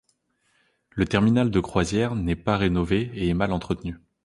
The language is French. Le terminal de croisières n'est pas rénové et est mal entretenu.